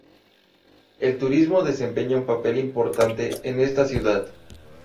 El turismo desempeña un papel importante en esta ciudad.